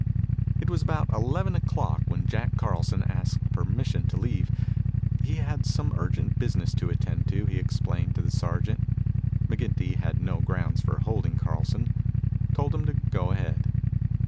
It was about eleven o'clock when Jack Carlson asked permission to leave. He had some urgent business to attend to, he explained to the sergeant. McGinty had no grounds for holding Carlson, told him to go ahead.